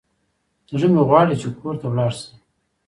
زړه مي غواړي چي کور ته ولاړ سم.